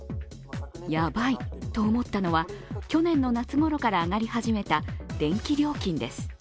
ヤバいと思ったのは去年の夏ごろから上がり始めた、電気料金です。